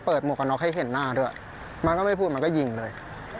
หมวกกันน็อกให้เห็นหน้าด้วยมันก็ไม่พูดมันก็ยิงเลย